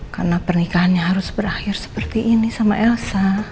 karena pernikahannya harus berakhir seperti ini sama elsa